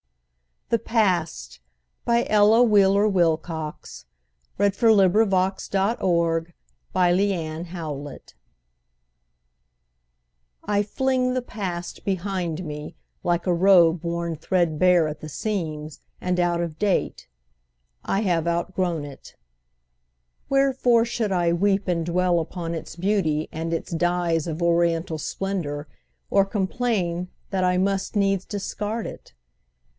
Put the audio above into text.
"yes," That shall brighten the world for him alway. Ella Wheeler Wilcox The Past I FLING the past behind me, like a robe Worn threadbare at the seams, and out of date. I have outgrown it. Wherefore should I weep And dwell upon its beauty, and its dyes Of oriental splendor, or complain That I must needs discard it?